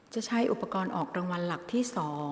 จะใช้อุปกรณ์ออกรางวัลหลักที่๒